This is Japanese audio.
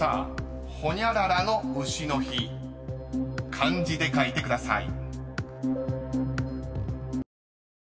［漢字で書いてください］